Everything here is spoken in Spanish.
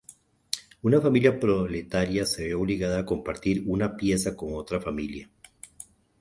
Una familia proletaria se ve obligada a compartir una pieza con otra familia.